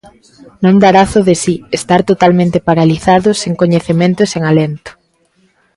Non dar azo de si: estar totalmente paralizado, sen coñecemento e sen alento.